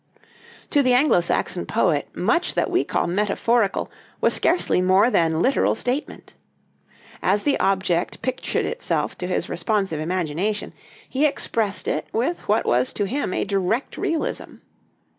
To the Anglo Saxon poet, much that we call metaphorical was scarcely more than literal statement. As the object pictured itself to his responsive imagination, he expressed it with what was to him a direct realism.